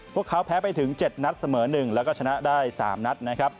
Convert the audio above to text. พวกเขาแพ้ไปถึง๗นัดเสมอหนึ่งแล้วก็ชนะได้๓นัด